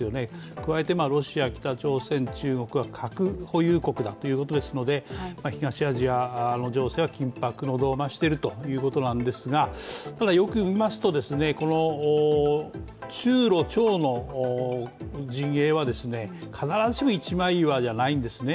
加えてロシア、北朝鮮中国は核保有国だということですので東アジアの情勢は緊迫の度合いを増しているということなんですけれどもただよくみますと、中ロ朝の陣営は、必ずしも一枚岩じゃないんですね。